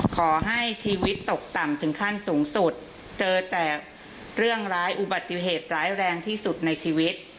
ขอให้ชีวิตตกต่ำถึงขั้นสูงสุดเจอแต่เรื่องร้ายอุบัติเหตุร้ายแรงที่สุดในชีวิต